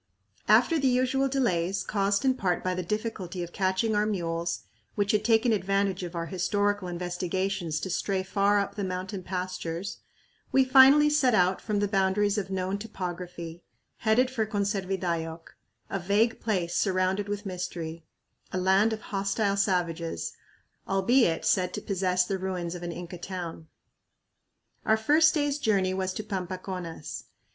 After the usual delays, caused in part by the difficulty of catching our mules, which had taken advantage of our historical investigations to stray far up the mountain pastures, we finally set out from the boundaries of known topography, headed for "Conservidayoc," a vague place surrounded with mystery; a land of hostile savages, albeit said to possess the ruins of an Inca town. Our first day's journey was to Pampaconas.